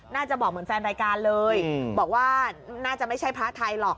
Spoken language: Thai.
น่าจะบอกเหมือนแฟนรายการเลยบอกว่าน่าจะไม่ใช่พระไทยหรอก